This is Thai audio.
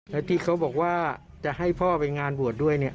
แล้วที่เขาบอกว่าจะให้พ่อไปงานบวชด้วยเนี่ย